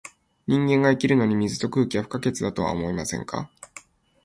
人間が生きるのに、水と空気は不可欠だとは思いませんか？